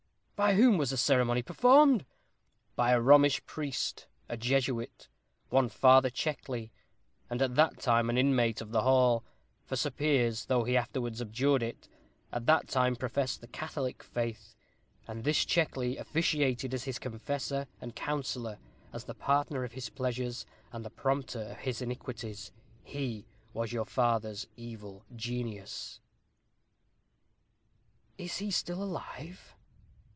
"By whom was the ceremony performed?" "By a Romish priest a Jesuit one Father Checkley, at that time an inmate of the hall; for Sir Piers, though he afterwards abjured it, at that time professed the Catholic faith, and this Checkley officiated as his confessor and counsellor; as the partner of his pleasures, and the prompter of his iniquities. He was your father's evil genius." "Is he still alive?"